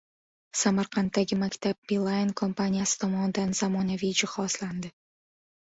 Samarqanddagi maktab Beeline kompaniyasi tomonidan zamonaviy jihozlandi